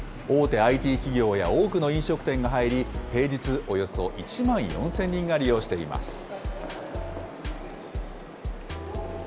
大手ＩＴ企業や多くの飲食店が入り、平日およそ１万４０００人が利用しています。